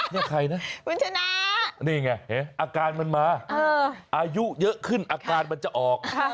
เรียกใครน่ะนี่ไงอากาศมันมาอายุเยอะขึ้นอาการมันจะออก